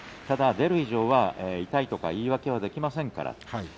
出る以上は痛いとか言い訳はできませんから。